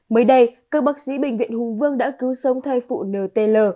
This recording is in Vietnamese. mới đây các bác sĩ bệnh viện hùng vương đã cứu sống thay phụ ntl